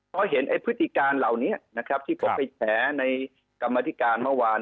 เพราะพฤติกาลเหล่านี้ที่เขาไปแบบกรรมธิการเมื่อวาน